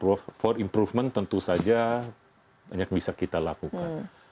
for improvement tentu saja banyak bisa kita lakukan